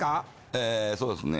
えそうですね